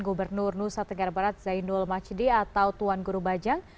gubernur nusa tenggara barat zainul majdi atau tuan guru bajang